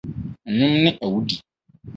Nnwom ne Awudi